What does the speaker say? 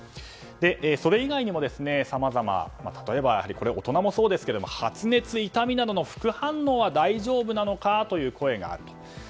それ以外にもさまざま例えば、大人もそうですけど発熱、痛みなどの副反応などは大丈夫なのかという声があると。